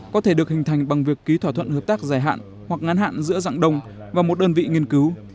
có thể được hình thành bằng việc ký thỏa thuận hợp tác dài hạn hoặc ngán hạn giữa dạng đông và một đơn vị nghiên cứu